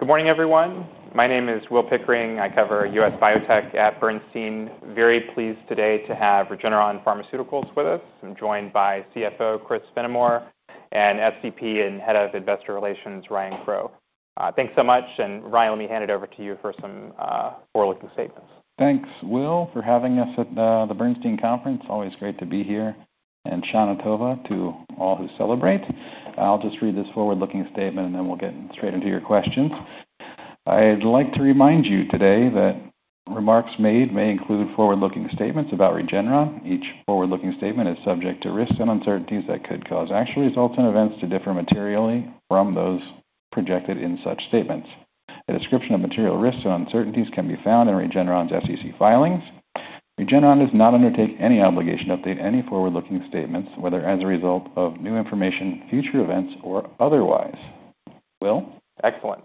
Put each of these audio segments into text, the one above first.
Good morning, everyone. My name is Will Pickering. I cover U.S. biotech at Bernstein. Very pleased today to have Regeneron Pharmaceuticals with us. I'm joined by CFO Chris Fenimore and SVP and Head of Investor Relations Ryan Crowe. Thanks so much. Ryan, let me hand it over to you for some forward-looking statements. Thanks, Will, for having us at the Bernstein Conference. Always great to be here. Shana Tova to all who celebrate. I'll just read this forward-looking statement, then we'll get straight into your questions. I'd like to remind you today that remarks made may include forward-looking statements about Regeneron Pharmaceuticals. Each forward-looking statement is subject to risks and uncertainties that could cause actual results and events to differ materially from those projected in such statements. A description of material risks and uncertainties can be found in Regeneron Pharmaceuticals' SEC filings. Regeneron Pharmaceuticals does not undertake any obligation to update any forward-looking statements, whether as a result of new information, future events, or otherwise. Will? Excellent.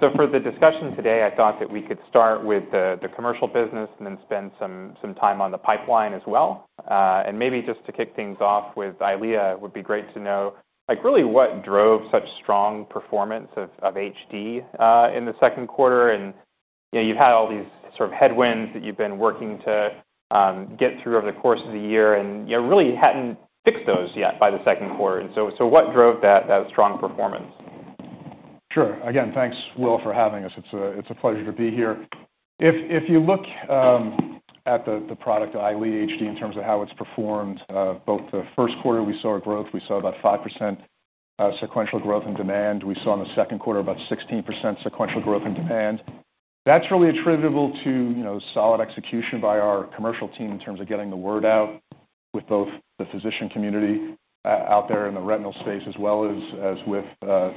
For the discussion today, I thought that we could start with the commercial business and then spend some time on the pipeline as well. Maybe just to kick things off with EYLEA HD, it would be great to know, like, really what drove such strong performance of HD in the second quarter? You've had all these sort of headwinds that you've been working to get through over the course of the year and really hadn't fixed those yet by the second quarter. What drove that strong performance? Sure. Again, thanks, Will, for having us. It's a pleasure to be here. If you look at the product of EYLEA HD in terms of how it's performed, both the first quarter we saw growth. We saw about 5% sequential growth in demand. We saw in the second quarter about 16% sequential growth in demand. That's really attributable to solid execution by our commercial team in terms of getting the word out with both the physician community out there in the retinal space, as well as with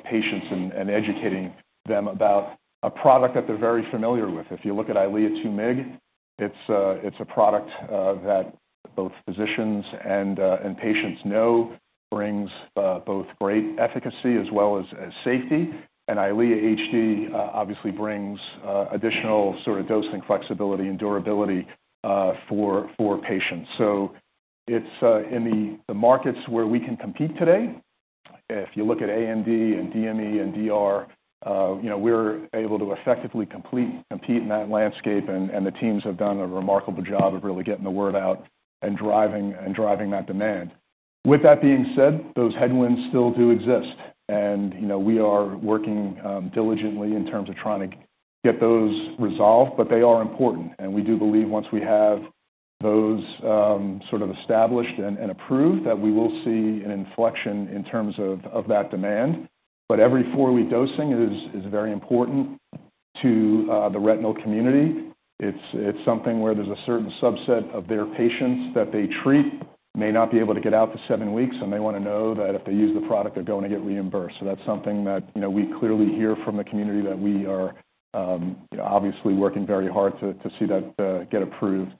patients and educating them about a product that they're very familiar with. If you look at EYLEA 2mg, it's a product that both physicians and patients know brings both great efficacy as well as safety. EYLEA HD obviously brings additional sort of dosing flexibility and durability for patients. It's in the markets where we can compete today. If you look at AMD and DME and DR, you know we're able to effectively compete in that landscape. The teams have done a remarkable job of really getting the word out and driving that demand. With that being said, those headwinds still do exist. We are working diligently in terms of trying to get those resolved. They are important. We do believe once we have those sort of established and approved, we will see an inflection in terms of that demand. Every four-week dosing is very important to the retinal community. It's something where there's a certain subset of their patients that they treat may not be able to get out to seven weeks. They want to know that if they use the product, they're going to get reimbursed. That's something that we clearly hear from the community that we are obviously working very hard to see that get approved.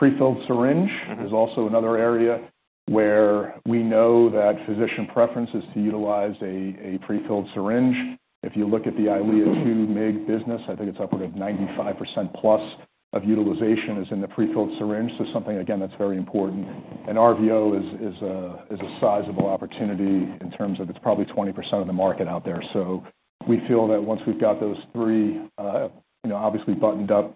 Prefilled syringe is also another area where we know that physician preference is to utilize a prefilled syringe. If you look at the EYLEA 2mg business, I think it's up like a 95%+ of utilization is in the prefilled syringe. Something, again, that's very important. RVO is a sizable opportunity in terms of it's probably 20% of the market out there. We feel that once we've got those three, you know, obviously buttoned up,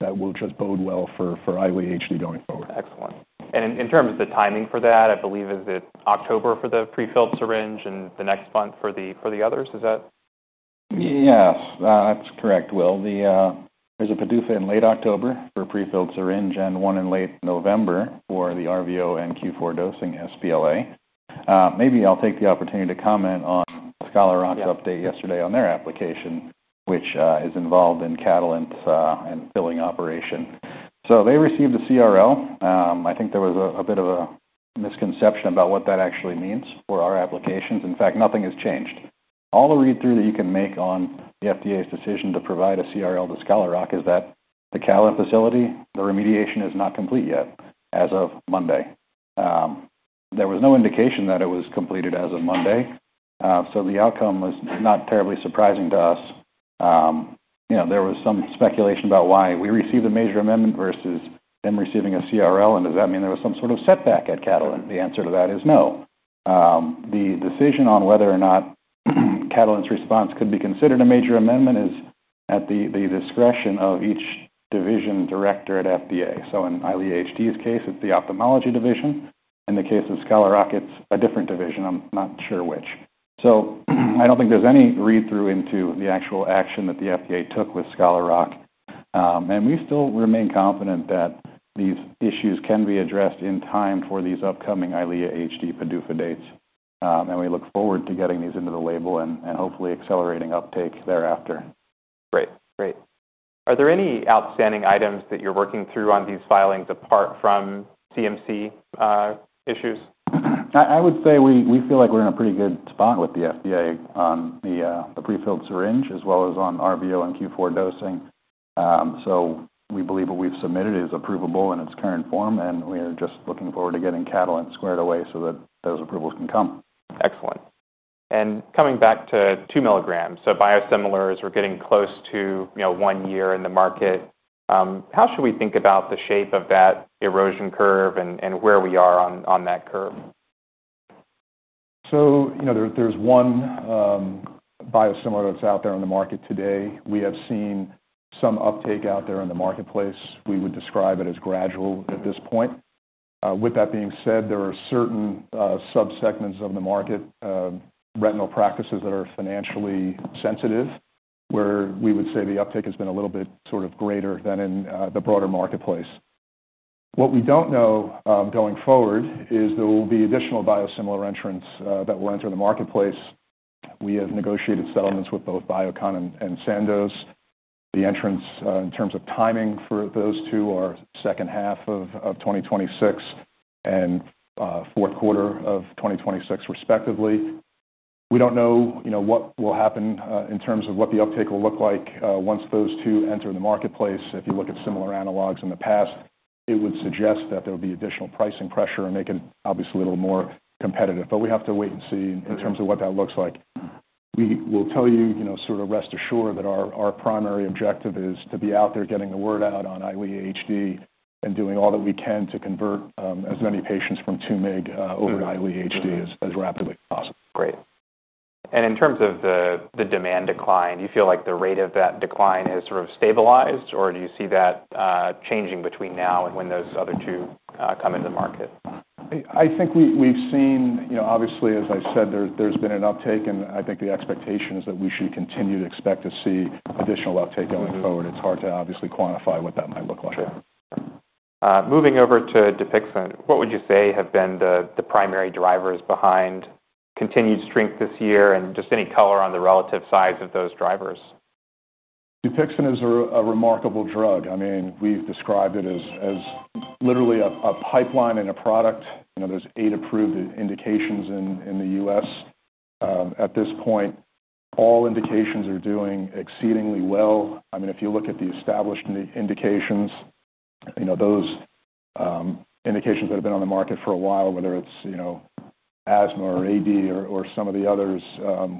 that will just bode well for EYLEA HD going forward. Excellent. In terms of the timing for that, I believe, is it October for the prefilled syringe and the next month for the others? Yes, that's correct, Will. There's a PDUFA in late October for a prefilled syringe and one in late November for the RVO and Q4 dosing sBLA. Maybe I'll take the opportunity to comment on Scholar Rock's update yesterday on their application, which is involved in Catalent and filling operations. They received a CRL. I think there was a bit of a misconception about what that actually means for our applications. In fact, nothing has changed. All the read-through that you can make on the FDA's decision to provide a CRL to Scholar Rock is that the Catalent facility, the remediation is not complete yet as of Monday. There was no indication that it was completed as of Monday. The outcome was not terribly surprising to us. There was some speculation about why we received a major amendment versus them receiving a CRL. Does that mean there was some sort of setback at Catalent? The answer to that is no. The decision on whether or not Catalent's response could be considered a major amendment is at the discretion of each division director at FDA. In EYLEA HD's case, it's the ophthalmology division. In the case of Scholar Rock, it's a different division. I'm not sure which. I don't think there's any read-through into the actual action that the FDA took with Scholar Rock. We still remain confident that these issues can be addressed in time for these upcoming EYLEA HD PDUFA dates. We look forward to getting these into the label and hopefully accelerating uptake thereafter. Great. Great. Are there any outstanding items that you're working through on these filings apart from CMC issues? I would say we feel like we're in a pretty good spot with the FDA on the prefilled syringe, as well as on RVO and Q4 dosing. We believe what we've submitted is approvable in its current form, and we are just looking forward to getting Catalent squared away so that those approvals can come. Excellent. Coming back to 2 milligrams, biosimilars are getting close to one year in the market. How should we think about the shape of that erosion curve and where we are on that curve? There is one biosimilar that's out there in the market today. We have seen some uptake out there in the marketplace. We would describe it as gradual at this point. With that being said, there are certain subsegments of the market, retinal practices that are financially sensitive, where we would say the uptake has been a little bit greater than in the broader marketplace. What we don't know going forward is there will be additional biosimilar entrants that will enter the marketplace. We have negotiated settlements with both Biocon and Sandoz. The entrants in terms of timing for those two are second half of 2026 and fourth quarter of 2026, respectively. We don't know what will happen in terms of what the uptake will look like once those two enter the marketplace. If you look at similar analogs in the past, it would suggest that there would be additional pricing pressure and make it obviously a little more competitive. We have to wait and see in terms of what that looks like. We will tell you, rest assured, that our primary objective is to be out there getting the word out on EYLEA HD and doing all that we can to convert as many patients from 2mg over to EYLEA HD as rapidly as possible. In terms of the demand decline, do you feel like the rate of that decline has sort of stabilized? Do you see that changing between now and when those other two come into the market? I think we've seen, obviously, as I said, there's been an uptake. I think the expectation is that we should continue to expect to see additional uptake going forward. It's hard to obviously quantify what that might look like. Moving over to DUPIXENT, what would you say have been the primary drivers behind continued strength this year, and just any color on the relative size of those drivers? DUPIXENT is a remarkable drug. I mean, we've described it as literally a pipeline and a product. There's eight approved indications in the U.S. at this point. All indications are doing exceedingly well. I mean, if you look at the established indications, those indications that have been on the market for a while, whether it's asthma or AD or some of the others,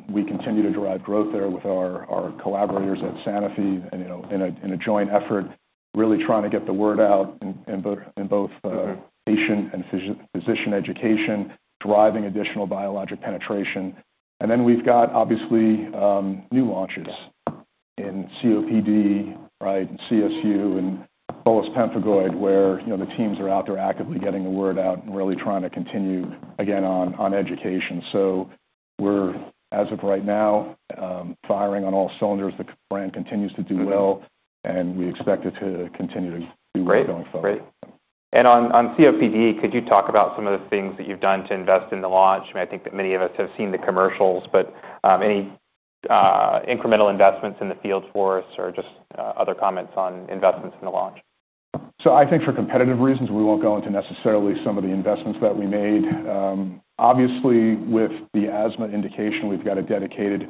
we continue to drive growth there with our collaborators at Sanofi in a joint effort, really trying to get the word out in both patient and physician education, driving additional biologic penetration. We've got obviously new launches in COPD, CSU, and bullous pemphigoid, where the teams are out there actively getting the word out and really trying to continue, again, on education. As of right now, we're firing on all cylinders. The brand continues to do well, and we expect it to continue to do well going forward. Great. On COPD, could you talk about some of the things that you've done to invest in the launch? I think that many of us have seen the commercials, but any incremental investments in the field for us or just other comments on investments in the launch? I think for competitive reasons, we won't go into necessarily some of the investments that we made. Obviously, with the asthma indication, we've got a dedicated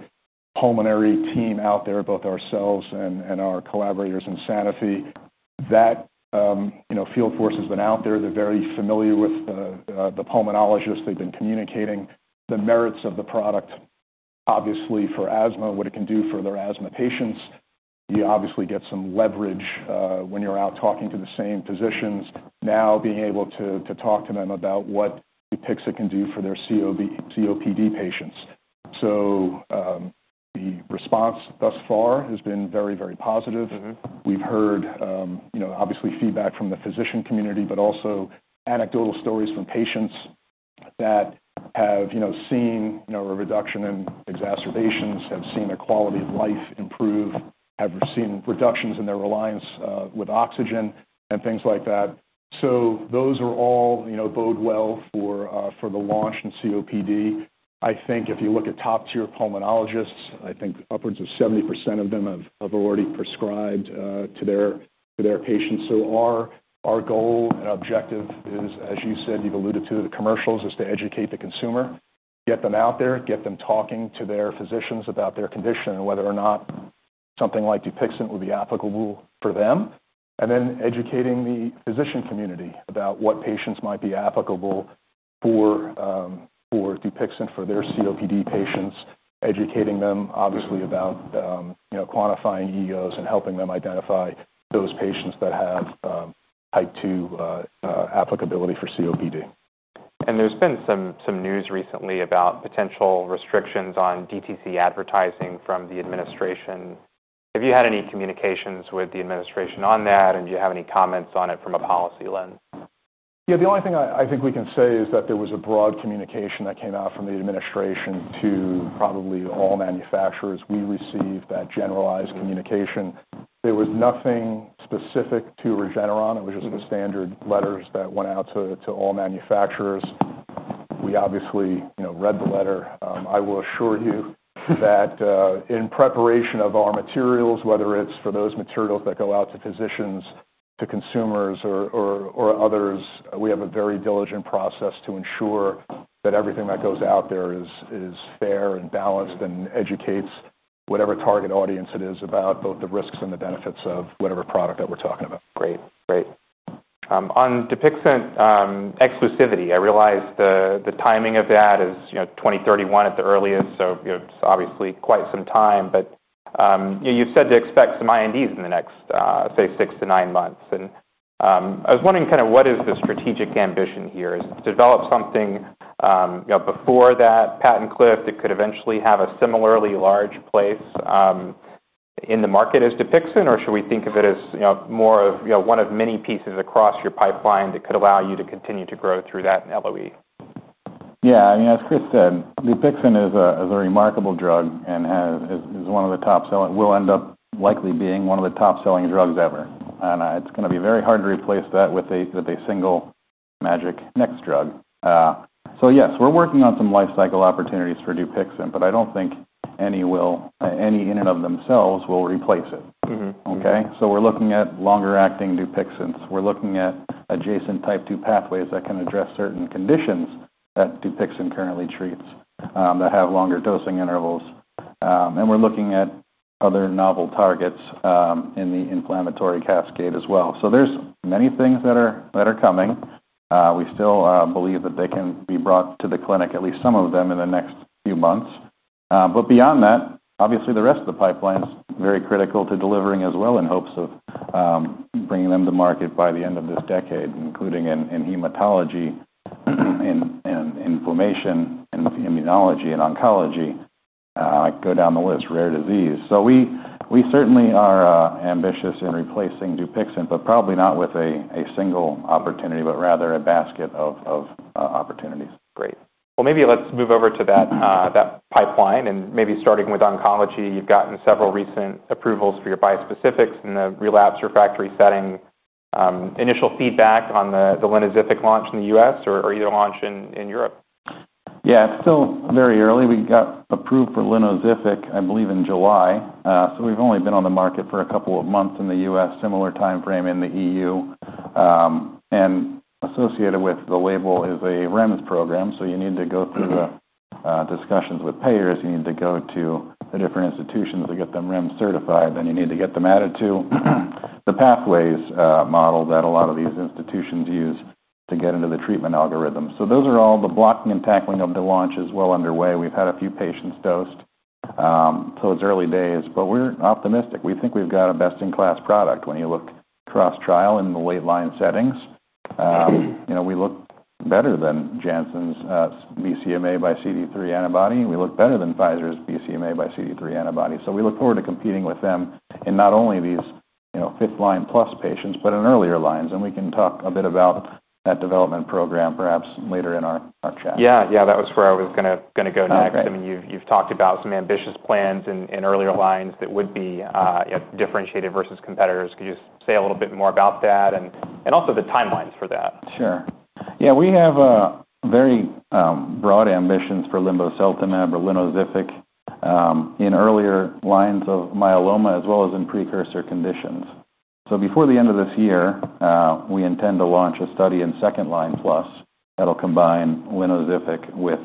pulmonary team out there, both ourselves and our collaborators in Sanofi. That field force has been out there. They're very familiar with the pulmonologists. They've been communicating the merits of the product, obviously, for asthma, what it can do for their asthma patients. You obviously get some leverage when you're out talking to the same physicians, now being able to talk to them about what DUPIXENT can do for their COPD patients. The response thus far has been very, very positive. We've heard feedback from the physician community, but also anecdotal stories from patients that have seen a reduction in exacerbations, have seen their quality of life improve, have seen reductions in their reliance with oxygen, and things like that. Those all bode well for the launch in COPD. If you look at top-tier pulmonologists, I think upwards of 70% of them have already prescribed to their patients. Our goal and objective is, as you said, you've alluded to the commercials, to educate the consumer, get them out there, get them talking to their physicians about their condition and whether or not something like DUPIXENT would be applicable for them. Then educating the physician community about what patients might be applicable for DUPIXENT for their COPD patients, educating them obviously about quantifying EEOs and helping them identify those patients that have type 2 applicability for COPD. There has been some news recently about potential restrictions on DTC advertising from the administration. Have you had any communications with the administration on that? Do you have any comments on it from a policy lens? The only thing I think we can say is that there was a broad communication that came out from the administration to probably all manufacturers. We received that generalized communication. There was nothing specific to Regeneron Pharmaceuticals. It was just the standard letters that went out to all manufacturers. We obviously read the letter. I will assure you that in preparation of our materials, whether it's for those materials that go out to physicians, to consumers, or others, we have a very diligent process to ensure that everything that goes out there is fair and balanced and educates whatever target audience it is about both the risks and the benefits of whatever product that we're talking about. Great. On DUPIXENT exclusivity, I realized the timing of that is 2031 at the earliest. It is obviously quite some time. You said to expect some INDs in the next, say, six to nine months. I was wondering, what is the strategic ambition here? Is it to develop something before that patent cliff that could eventually have a similarly large place in the market as DUPIXENT? Should we think of it as more of one of many pieces across your pipeline that could allow you to continue to grow through that LOE? Yeah, I mean, as Chris said, DUPIXENT is a remarkable drug and is one of the top selling. It will end up likely being one of the top selling drugs ever. It's going to be very hard to replace that with a single magic next drug. Yes, we're working on some lifecycle opportunities for DUPIXENT. I don't think any will, any in and of themselves, will replace it. We're looking at longer-acting DUPIXENTs. We're looking at adjacent type 2 pathways that can address certain conditions that DUPIXENT currently treats that have longer dosing intervals. We're looking at other novel targets in the inflammatory cascade as well. There are many things that are coming. We still believe that they can be brought to the clinic, at least some of them, in the next few months. Beyond that, obviously, the rest of the pipeline is very critical to delivering as well in hopes of bringing them to market by the end of this decade, including in hematology, in inflammation, in immunology, and oncology. I could go down the list, rare disease. We certainly are ambitious in replacing DUPIXENT, but probably not with a single opportunity, but rather a basket of opportunities. Great. Maybe let's move over to that pipeline. Maybe starting with oncology, you've gotten several recent approvals for your bispecifics in the relapse refractory setting. Initial feedback on the Linezyth launch in the U.S. or either launch in Europe? Yeah, it's still very early. We got approved for Linezyth, I believe, in July. We've only been on the market for a couple of months in the U.S., similar time frame in the EU. Associated with the label is a REMS program. You need to go through the discussions with payers. You need to go to the different institutions to get them REMS certified. You need to get them added to the pathways model that a lot of these institutions use to get into the treatment algorithm. Those are all the blocking and tackling of the launch, which is well underway. We've had a few patients dosed till those early days. We're optimistic. We think we've got a best-in-class product. When you look cross-trial in the late line settings, we look better than Janssen's BCMA by CD3 antibody. We look better than Pfizer's BCMA by CD3 antibody. We look forward to competing with them in not only these fifth line plus patients, but in earlier lines. We can talk a bit about that development program perhaps later in our chat. Yeah, that was where I was going to go next. I mean, you've talked about some ambitious plans in earlier lines that would be differentiated versus competitors. Could you say a little bit more about that and also the timelines for that? Sure. Yeah, we have very broad ambitions for linvoseltamab or Linezyth in earlier lines of myeloma, as well as in precursor conditions. Before the end of this year, we intend to launch a study in second line plus that will combine Linezyth with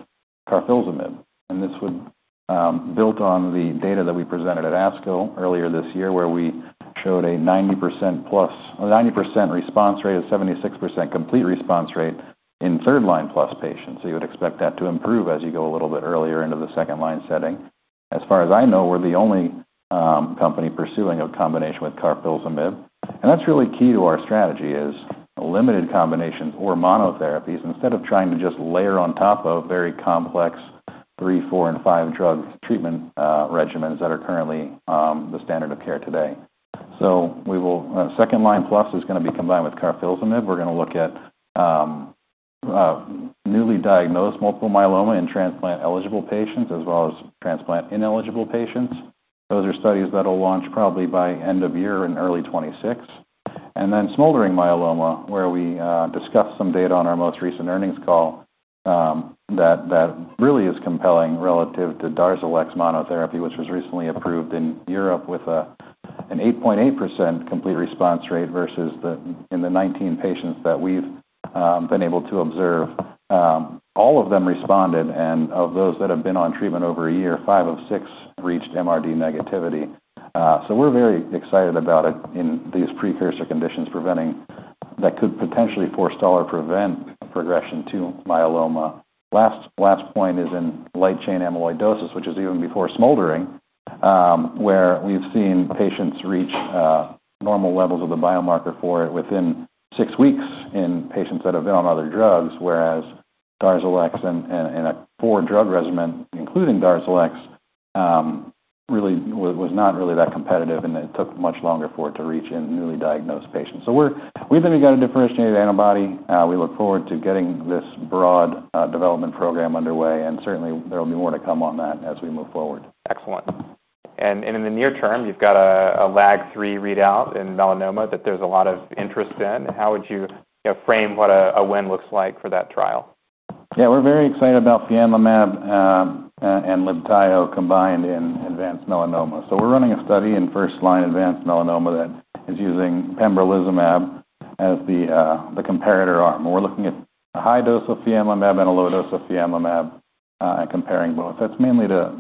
carfilzomib. This would be built on the data that we presented at ASCO earlier this year, where we showed a 90% plus a 90% response rate and a 76% complete response rate in third line plus patients. You would expect that to improve as you go a little bit earlier into the second line setting. As far as I know, we're the only company pursuing a combination with carfilzomib. That's really key to our strategy, a limited combination or monotherapies instead of trying to just layer on top of very complex three, four, and five drug treatment regimens that are currently the standard of care today. Second line plus is going to be combined with carfilzomib. We're going to look at newly diagnosed multiple myeloma in transplant-eligible patients, as well as transplant-ineligible patients. Those are studies that will launch probably by end of year and early 2026. In smoldering myeloma, we discussed some data on our most recent earnings call that really is compelling relative to Darzalex monotherapy, which was recently approved in Europe with an 8.8% complete response rate versus the 19 patients that we've been able to observe. All of them responded. Of those that have been on treatment over a year, five of six reached MRD negativity. We're very excited about it in these precursor conditions that could potentially forestall or prevent progression to myeloma. Last point is in light chain amyloidosis, which is even before smoldering, where we've seen patients reach normal levels of the biomarker for it within six weeks in patients that have been on other drugs, whereas Darzalex in a four-drug regimen, including Darzalex, really was not that competitive. It took much longer for it to reach in newly diagnosed patients. We've got a differentiated antibody. We look forward to getting this broad development program underway. Certainly, there will be more to come on that as we move forward. Excellent. In the near term, you've got a LAG-3 readout in melanoma that there's a lot of interest in. How would you frame what a win looks like for that trial? Yeah, we're very excited about pembrolizumab and Libtayo combined in advanced melanoma. We're running a study in first line advanced melanoma that is using pembrolizumab as the comparator arm. We're looking at a high dose of pembrolizumab and a low dose of pembrolizumab and comparing both. That's mainly to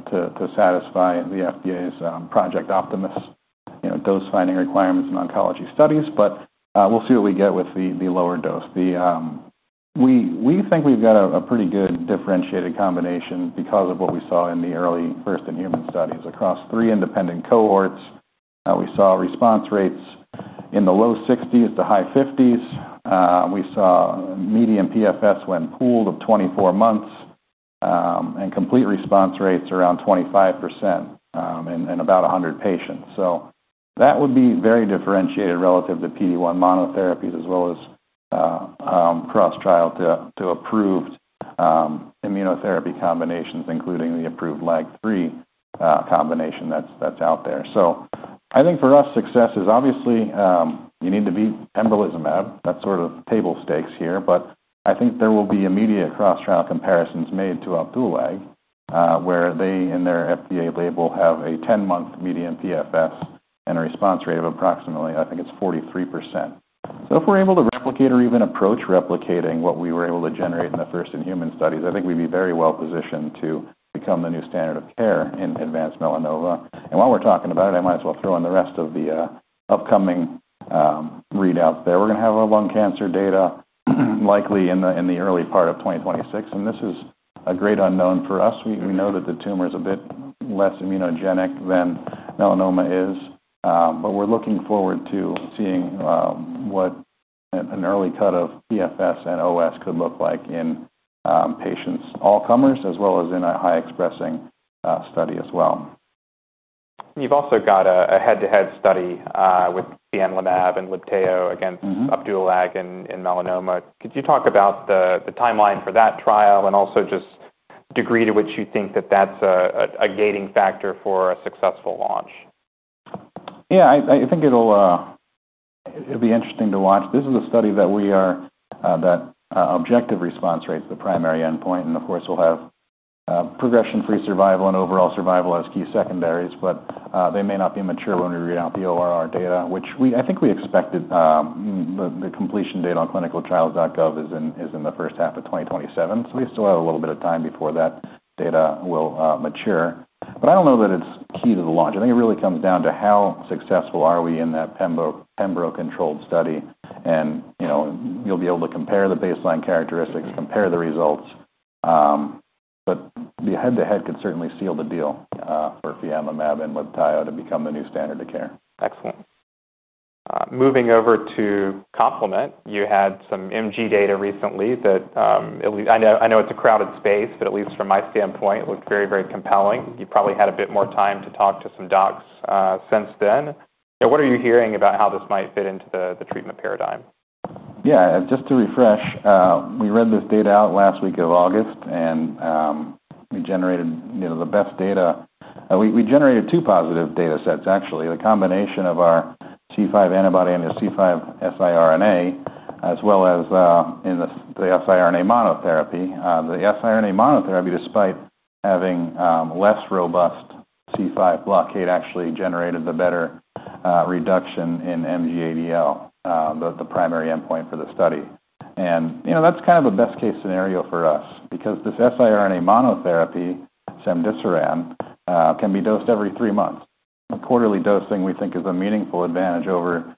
satisfy the FDA's Project Optimus dose-finding requirements in oncology studies. We'll see what we get with the lower dose. We think we've got a pretty good differentiated combination because of what we saw in the early first in human studies across three independent cohorts. We saw response rates in the low 60% to high 50%. We saw median PFS when pooled of 24 months and complete response rates around 25% in about 100 patients. That would be very differentiated relative to PD-1 monotherapies, as well as cross-trial to approved immunotherapy combinations, including the approved LAG-3 combination that's out there. I think for us, success is obviously you need to beat pembrolizumab. That's sort of table stakes here. I think there will be immediate cross-trial comparisons made to Opdualag, where they, in their FDA label, have a 10-month median PFS and a response rate of approximately, I think it's 43%. If we're able to replicate or even approach replicating what we were able to generate in the first in human studies, I think we'd be very well positioned to become the new standard of care in advanced melanoma. While we're talking about it, I might as well throw in the rest of the upcoming readouts there. We're going to have lung cancer data likely in the early part of 2026. This is a great unknown for us. We know that the tumor is a bit less immunogenic than melanoma is. We're looking forward to seeing what an early cut of PFS and OS could look like in patients all comers, as well as in a high-expressing study as well. You've also got a head-to-head study with pembrolizumab and Libtayo against Opdualag in melanoma. Could you talk about the timeline for that trial and also just the degree to which you think that that's a gating factor for a successful launch? Yeah, I think it'll be interesting to watch. This is a study that we are. That objective response rate is the primary endpoint. Of course, we'll have progression-free survival and overall survival as key secondaries. They may not be mature when we read out the ORR data, which I think we expected. The completion date on clinicaltrials.gov is in the first half of 2027. We still have a little bit of time before that data will mature. I don't know that it's key to the launch. I think it really comes down to how successful are we in that pembrolizumab-controlled study. You'll be able to compare the baseline characteristics and compare the results. The head-to-head could certainly seal the deal for pembrolizumab and Libtayo to become the new standard of care. Excellent. Moving over to complement, you had some MG data recently that, I know it's a crowded space, but at least from my standpoint, looked very, very compelling. You probably had a bit more time to talk to some docs since then. What are you hearing about how this might fit into the treatment paradigm? Yeah, just to refresh, we read this data out last week of August. We generated the best data. We generated two positive data sets, actually, the combination of our C5 antibody and the C5 siRNA, as well as the siRNA monotherapy. The siRNA monotherapy, despite having less robust C5 blockade, actually generated the better reduction in MGADL, the primary endpoint for the study. That's kind of a best-case scenario for us because this siRNA monotherapy, cemdisiran, can be dosed every three months. Quarterly dosing, we think, is a meaningful advantage over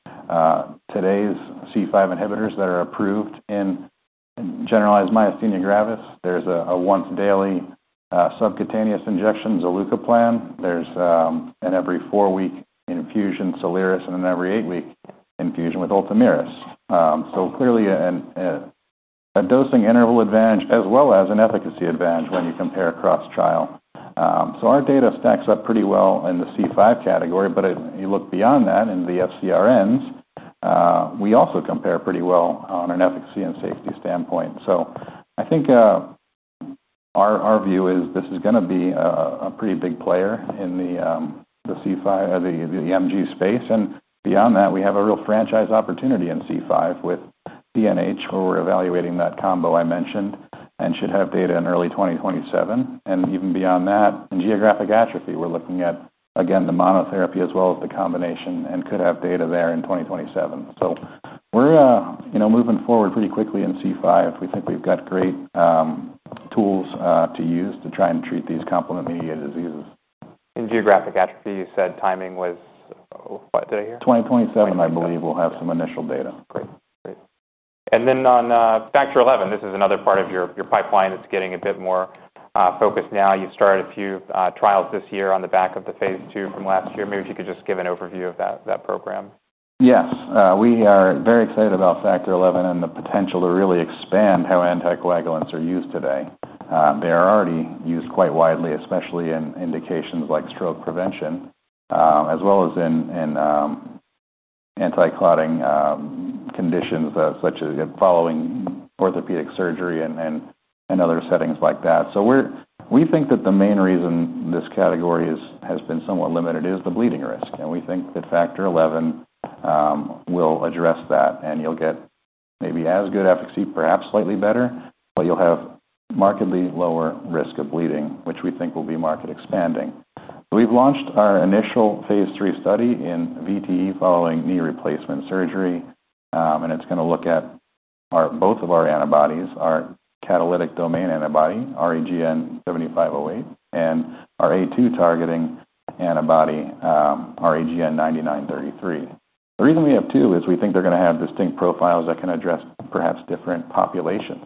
today's C5 inhibitors that are approved in generalized myasthenia gravis. There's a once-daily subcutaneous injection, zilucoplan. There's an every four-week infusion, Soliris, and an every eight-week infusion with Ultomiris. Clearly, a dosing interval advantage, as well as an efficacy advantage when you compare cross-trial. Our data stacks up pretty well in the C5 category. If you look beyond that in the FCRNs, we also compare pretty well on an efficacy and safety standpoint. I think our view is this is going to be a pretty big player in the MG space. Beyond that, we have a real franchise opportunity in C5 with PNH, where we're evaluating that combo I mentioned and should have data in early 2027. Even beyond that, in geographic atrophy, we're looking at, again, the monotherapy, as well as the combination, and could have data there in 2027. We're moving forward pretty quickly in C5. We think we've got great tools to use to try and treat these complement-mediated diseases. In geographic atrophy, you said timing was, what did I hear? 2027, I believe we'll have some initial data. Great. Great. On Factor XI, this is another part of your pipeline that's getting a bit more focused now. You've started a few trials this year on the back of the Phase 2 from last year. Maybe if you could just give an overview of that program. Yes, we are very excited about Factor XI and the potential to really expand how anticoagulants are used today. They are already used quite widely, especially in indications like stroke prevention, as well as in anticoagulating conditions, such as following orthopedic surgery and other settings like that. We think that the main reason this category has been somewhat limited is the bleeding risk. We think that Factor XI will address that, and you'll get maybe as good efficacy, perhaps slightly better, but you'll have markedly lower risk of bleeding, which we think will be market expanding. We've launched our initial phase three study in VTE following knee replacement surgery, and it's going to look at both of our antibodies, our catalytic domain antibody, REGN7508, and our A2 targeting antibody, REGN9933. The reason we have two is we think they're going to have distinct profiles that can address perhaps different populations,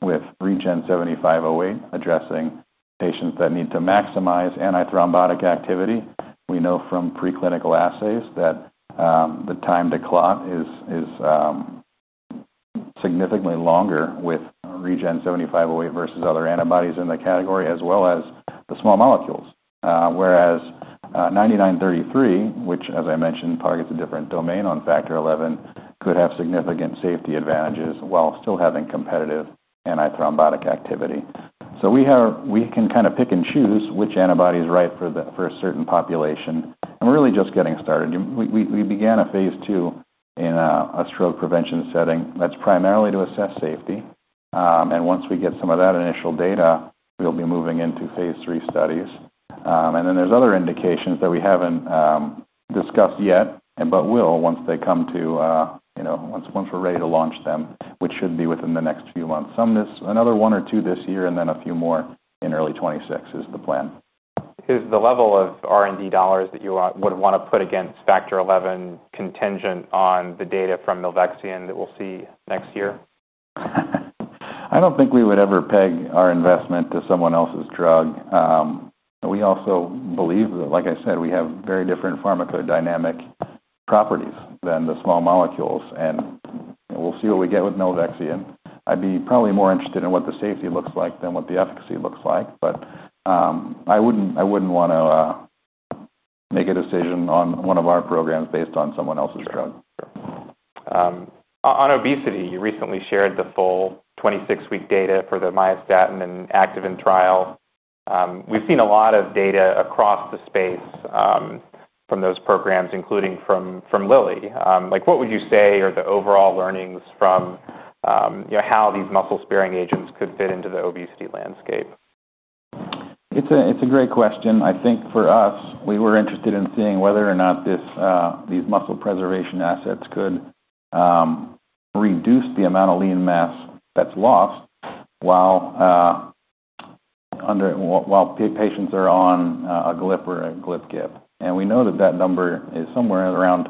with REGN7508 addressing patients that need to maximize antithrombotic activity. We know from preclinical assays that the time to clot is significantly longer with REGN7508 versus other antibodies in the category, as well as the small molecules. Whereas REGN9933, which, as I mentioned, targets a different domain on Factor XI, could have significant safety advantages while still having competitive antithrombotic activity. We can kind of pick and choose which antibody is right for a certain population. We're really just getting started. We began a phase two in a stroke prevention setting that's primarily to assess safety. Once we get some of that initial data, we'll be moving into phase three studies. There are other indications that we haven't discussed yet, but will once we're ready to launch them, which should be within the next few months. Another one or two this year and then a few more in early 2026 is the plan. Is the level of R&D dollars that you would want to put against Factor XI contingent on the data from Milvexian that we'll see next year? I don't think we would ever peg our investment to someone else's drug. We also believe that, like I said, we have very different pharmacodynamic properties than the small molecules. We'll see what we get with olorepatide. I'd be probably more interested in what the safety looks like than what the efficacy looks like. I wouldn't want to make a decision on one of our programs based on someone else's drug. On obesity, you recently shared the full 26-week data for the myostatin and activin trial. We've seen a lot of data across the space from those programs, including from Lilly. What would you say are the overall learnings from how these muscle-sparing agents could fit into the obesity landscape? It's a great question. I think for us, we were interested in seeing whether or not these muscle preservation assets could reduce the amount of lean mass that's lost while patients are on a GLP-1 or a GLP-1/GIP. We know that that number is somewhere around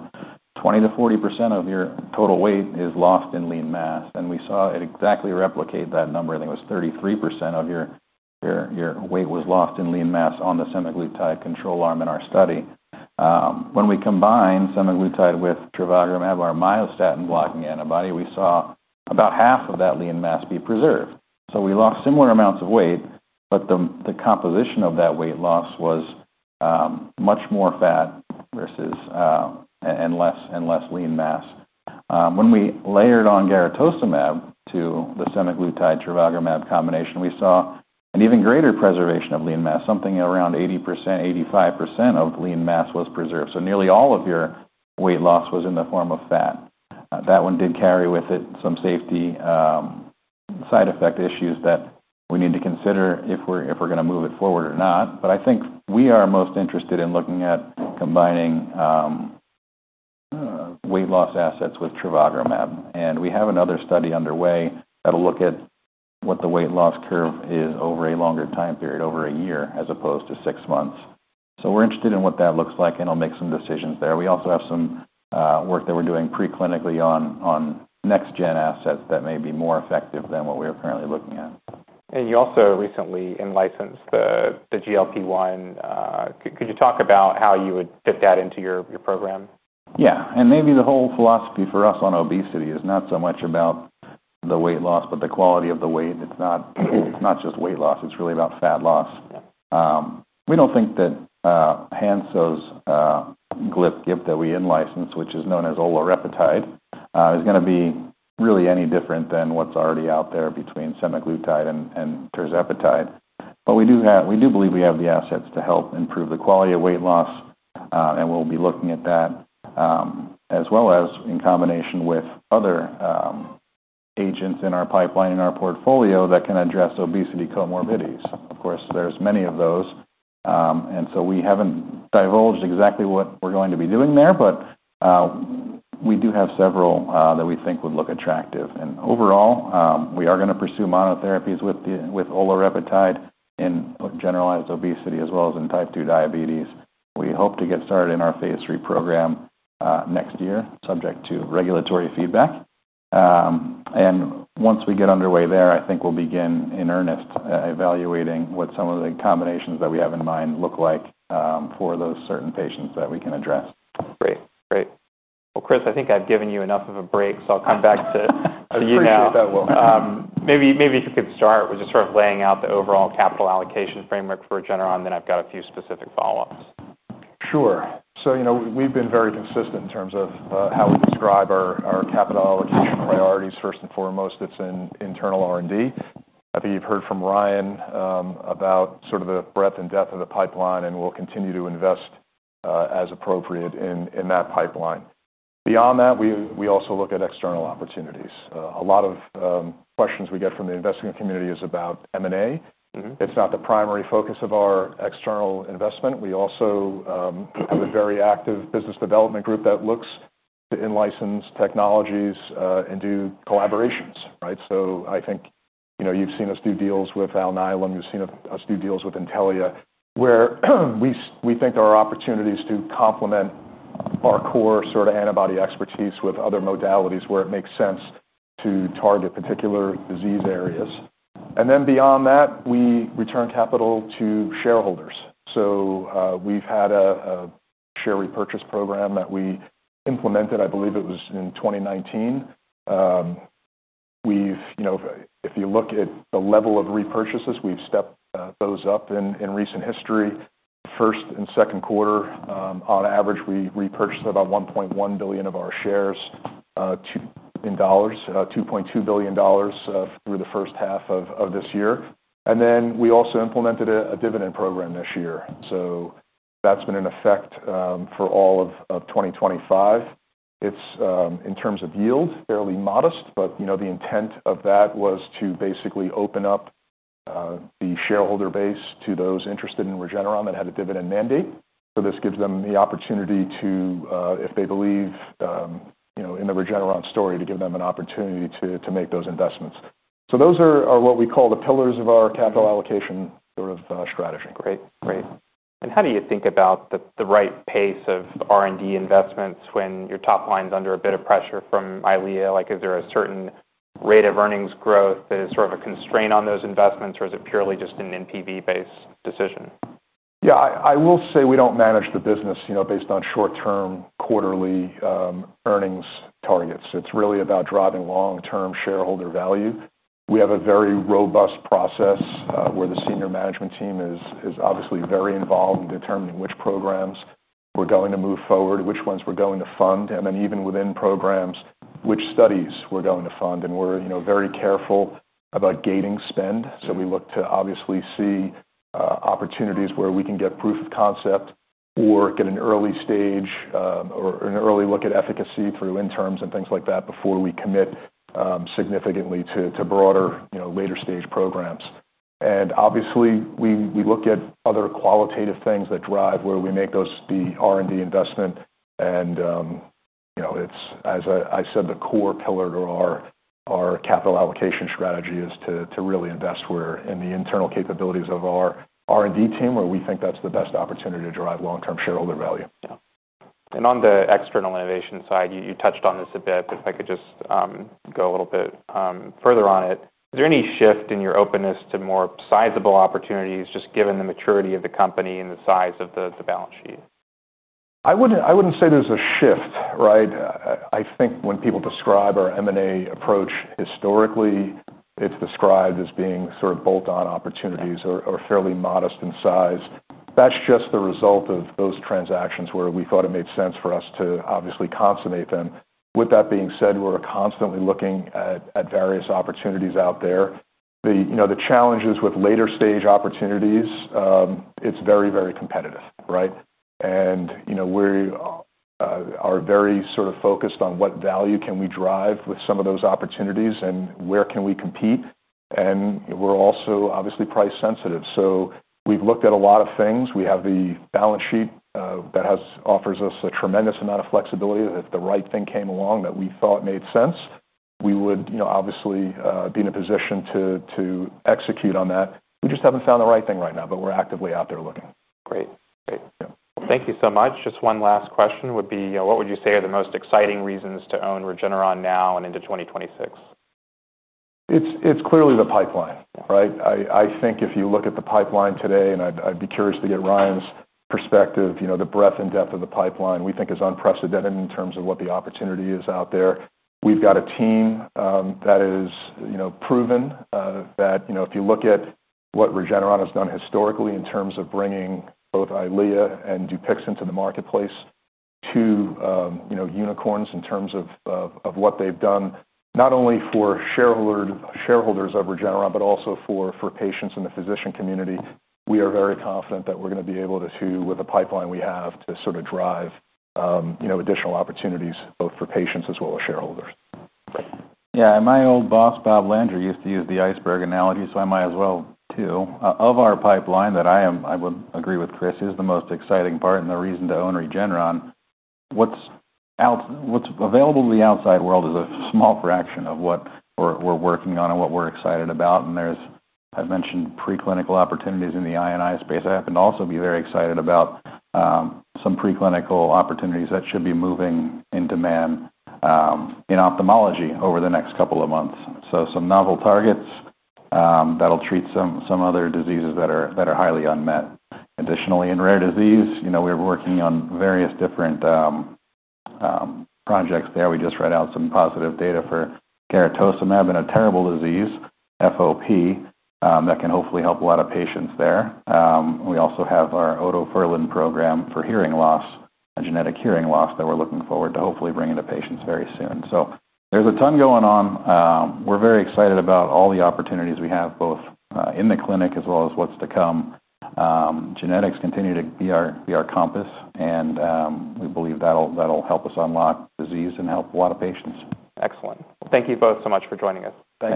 20% to 40% of your total weight is lost in lean mass. We saw it exactly replicate that number. I think it was 33% of your weight was lost in lean mass on the semaglutide control arm in our study. When we combined semaglutide with trivagramab or myostatin blocking antibody, we saw about half of that lean mass be preserved. We lost similar amounts of weight, but the composition of that weight loss was much more fat versus less and less lean mass. When we layered on garetosmab to the semaglutide-trivagramab combination, we saw an even greater preservation of lean mass, something around 80%, 85% of lean mass was preserved. Nearly all of your weight loss was in the form of fat. That one did carry with it some safety side effect issues that we need to consider if we're going to move it forward or not. I think we are most interested in looking at combining weight loss assets with trivagramab. We have another study underway that'll look at what the weight loss curve is over a longer time period, over a year, as opposed to six months. We're interested in what that looks like, and we'll make some decisions there. We also have some work that we're doing preclinically on next-gen assets that may be more effective than what we are currently looking at. You also recently licensed the GLP-1. Could you talk about how you would fit that into your program? Yeah, and maybe the whole philosophy for us on obesity is not so much about the weight loss, but the quality of the weight. It's not just weight loss. It's really about fat loss. We don't think that Hanso's GLP-1/GIP that we license, which is known as olorepatide, is going to be really any different than what's already out there between semaglutide and tirzepatide. We do believe we have the assets to help improve the quality of weight loss. We'll be looking at that, as well as in combination with other agents in our pipeline and our portfolio that can address obesity comorbidities. Of course, there's many of those. We haven't divulged exactly what we're going to be doing there. We do have several that we think would look attractive. Overall, we are going to pursue monotherapies with olorepatide in generalized obesity, as well as in type 2 diabetes. We hope to get started in our phase three program next year, subject to regulatory feedback. Once we get underway there, I think we'll begin in earnest evaluating what some of the combinations that we have in mind look like for those certain patients that we can address. Great. Great. Chris, I think I've given you enough of a break. I'll come back to you now. I appreciate that, Will. Maybe if you could start with just sort of laying out the overall capital allocation framework for Regeneron Pharmaceuticals. I've got a few specific follow-ups. Sure. So you know we've been very consistent in terms of how we describe our capital allocation priorities. First and foremost, it's in internal R&D. I think you've heard from Ryan about sort of the breadth and depth of the pipeline. We'll continue to invest as appropriate in that pipeline. Beyond that, we also look at external opportunities. A lot of questions we get from the investment community is about M&A. It's not the primary focus of our external investment. We also have a very active business development group that looks to license technologies and do collaborations. I think you've seen us do deals with Alnylam Pharmaceuticals. You've seen us do deals with Intellia Therapeutics, where we think there are opportunities to complement our core sort of antibody expertise with other modalities where it makes sense to target particular disease areas. Beyond that, we return capital to shareholders. We've had a share repurchase program that we implemented. I believe it was in 2019. If you look at the level of repurchases, we've stepped those up in recent history. The first and second quarter, on average, we repurchased about $1.1 billion of our shares to $2.2 billion through the first half of this year. We also implemented a dividend program this year. That's been in effect for all of 2024. It's, in terms of yield, fairly modest. The intent of that was to basically open up the shareholder base to those interested in Regeneron Pharmaceuticals that had a dividend mandate. This gives them the opportunity to, if they believe in the Regeneron Pharmaceuticals story, to give them an opportunity to make those investments. Those are what we call the pillars of our capital allocation sort of strategy. Great. How do you think about the right pace of R&D investments when your top line is under a bit of pressure from EYLEA? Is there a certain rate of earnings growth that is sort of a constraint on those investments, or is it purely just an NPV-based decision? Yeah, I will say we don't manage the business based on short-term, quarterly earnings targets. It's really about driving long-term shareholder value. We have a very robust process where the Senior Management Team is obviously very involved in determining which programs we're going to move forward, which ones we're going to fund, and then even within programs, which studies we're going to fund. We're very careful about gating spend. We look to obviously see opportunities where we can get proof of concept or get an early stage or an early look at efficacy through interims and things like that before we commit significantly to broader later stage programs. We look at other qualitative things that drive where we make the R&D investment. As I said, the core pillar to our capital allocation strategy is to really invest in the internal capabilities of our R&D team, where we think that's the best opportunity to drive long-term shareholder value. On the external innovation side, you touched on this a bit. If I could just go a little bit further on it, is there any shift in your openness to more sizable opportunities, just given the maturity of the company and the size of the balance sheet? I wouldn't say there's a shift. I think when people describe our M&A approach historically, it's described as being sort of bolt-on opportunities or fairly modest in size. That's just the result of those transactions where we thought it made sense for us to obviously consummate them. With that being said, we're constantly looking at various opportunities out there. The challenges with later stage opportunities, it's very, very competitive. We are very sort of focused on what value can we drive with some of those opportunities and where can we compete. We're also obviously price sensitive. We've looked at a lot of things. We have the balance sheet that offers us a tremendous amount of flexibility that if the right thing came along that we thought made sense, we would obviously be in a position to execute on that. We just haven't found the right thing right now. We're actively out there looking. Great. Thank you so much. Just one last question would be, what would you say are the most exciting reasons to own Regeneron now and into 2026? It's clearly the pipeline. I think if you look at the pipeline today, and I'd be curious to get Ryan's perspective, the breadth and depth of the pipeline we think is unprecedented in terms of what the opportunity is out there. We've got a team that is proven that if you look at what Regeneron Pharmaceuticals has done historically in terms of bringing both EYLEA and DUPIXENT to the marketplace, two unicorns in terms of what they've done, not only for shareholders of Regeneron Pharmaceuticals, but also for patients and the physician community, we are very confident that we're going to be able to, with the pipeline we have, to sort of drive additional opportunities both for patients as well as shareholders. Yeah, and my old boss, Bob Landry, used to use the iceberg analogy. I might as well too. Of our pipeline that I would agree with Chris is the most exciting part and the reason to own Regeneron. What's available to the outside world is a small fraction of what we're working on and what we're excited about. I've mentioned preclinical opportunities in the INI space. I happen to also be very excited about some preclinical opportunities that should be moving in demand in ophthalmology over the next couple of months. Some novel targets that'll treat some other diseases that are highly unmet. Additionally, in rare disease, we're working on various different projects there. We just read out some positive data for garetosmab in a terrible disease, FOP, that can hopefully help a lot of patients there. We also have our otoferlin program for hearing loss, a genetic hearing loss that we're looking forward to hopefully bringing to patients very soon. There's a ton going on. We're very excited about all the opportunities we have, both in the clinic as well as what's to come. Genetics continue to be our compass. We believe that'll help us unlock disease and help a lot of patients. Excellent. Thank you both so much for joining us. Thanks.